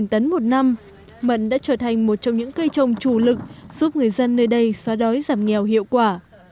tấn một năm mận đã trở thành một trong những cây trồng chủ lực giúp người dân nơi đây xóa đói giảm nghèo hiệu quả